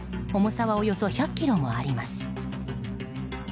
重さはおよそ１００ｋｇもあります。